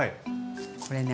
これね